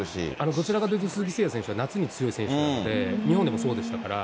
どちらかというと、鈴木誠也選手は夏に強い選手なので、日本でもそうでしたから。